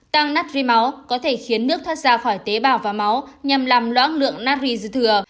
tăng natchi máu có thể khiến nước thoát ra khỏi tế bào và máu nhằm làm loãng lượng natchi dự thừa